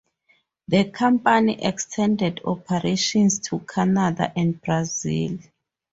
The company extended operations to Canada and Brazil.